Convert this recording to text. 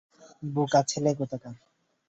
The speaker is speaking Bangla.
বোকা ছেলে কোথাকার।